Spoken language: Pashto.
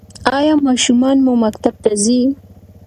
ایا ماشومان مو مکتب ته ځي؟